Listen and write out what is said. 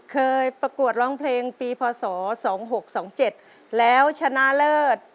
ประกวดร้องเพลงปีพศ๒๖๒๗แล้วชนะเลิศ